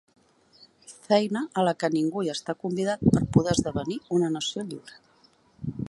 Feina a la que ningú hi està convidat per poder esdevenir una nació lliure.